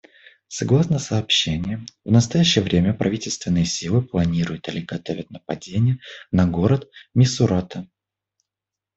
Согласно сообщениям, в настоящее время правительственные силы планируют или готовят нападения на город Мисурата.